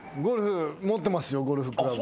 持ってますよゴルフクラブ。